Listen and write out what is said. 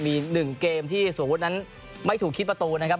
มี๑เกมที่สมมุตินั้นไม่ถูกคิดประตูนะครับ